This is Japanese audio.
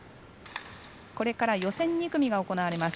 これから予選２組が行われます。